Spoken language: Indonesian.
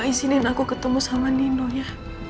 ma izinkan aku ketemu sama nino ya